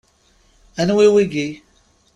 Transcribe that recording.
Anwi wiyi?